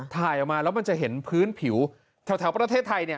ถ่ายออกมาแล้วมันจะเห็นพื้นผิวแถวประเทศไทย